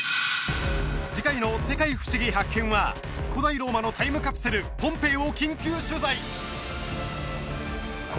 次回の「世界ふしぎ発見！」は古代ローマのタイムカプセルポンペイを緊急取材！